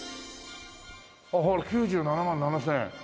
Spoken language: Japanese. あっ９７万７０００円！